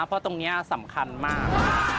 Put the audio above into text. เพราะตรงนี้สำคัญมาก